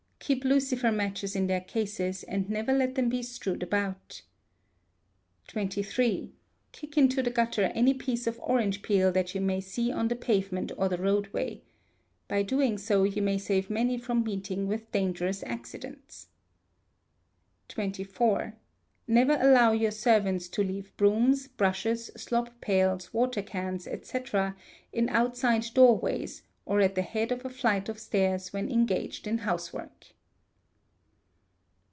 Keep lucifer matches in their cases, and never let them be strewed about. xxiii. Kick into the gutter any piece of orange peel that you may see on the pavement or the roadway. By so doing you may save many from meeting with dangerous accidents. xxvi. Never allow your servants to leave brooms, brushes, slop pails, water cans, &c. in outside doorways, or at the head of a flight of stairs when engaged in house work.